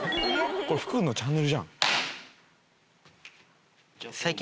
これ福君のチャンネルじゃん。